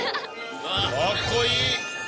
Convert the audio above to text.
かっこいい。